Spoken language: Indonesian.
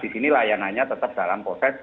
di sini layanannya tetap dalam proses